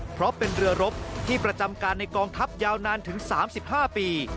เพราะเป็นเรือรบที่ประจำการในกองทัพยาวนานถึง๓๕ปี